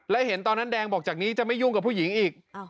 และเห็นตอนนั้นแดงบอกจากนี้จะไม่ยุ่งกับผู้หญิงอีก